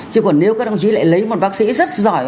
chứ còn nếu các đồng chí lại lấy một bác sĩ rất giỏi